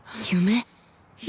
夢？